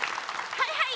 はいはい！